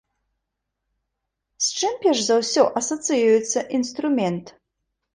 З чым перш за ўсё асацыюецца інструмент?